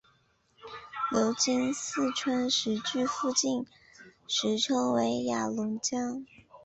流经四川石渠附近时称为雅砻江。